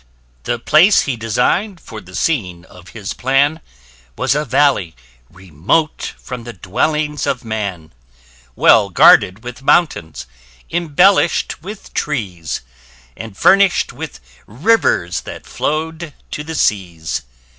The place he design'd for the scene of his plan, Was a valley remote from the dwellings of man: Well guarded with mountains, embellished with trees, And furnish'd with rivers, that flow'd to the seas.